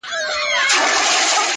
په روغو یا پر ماتو ښپو